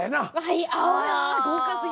はい。